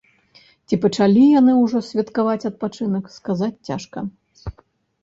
Ці пачалі яны ўжо святкаваць адпачынак, сказаць цяжка.